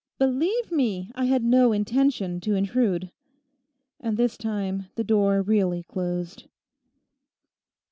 'Believe me, I had no intention to intrude.' And this time the door really closed.